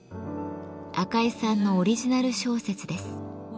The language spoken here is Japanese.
赤井さんのオリジナル小説です。